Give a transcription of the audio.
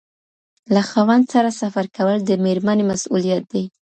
له خاوند سره سفر کول د ميرمني مسئوليت دی.